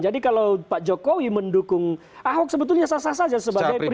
jadi kalau pak jokowi mendukung ahok sebetulnya sasar saja sebagai pribadi